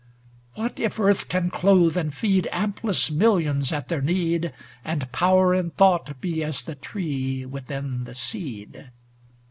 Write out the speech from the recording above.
What if earth can clothe and feed Amplest millions at their need. And power in thought be as the tree within the seed